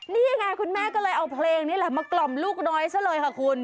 นี่ยังไงคุณแม่ก็เลยเอาเพลงนี่แหละมากล่อมลูกน้อยซะเลยค่ะคุณ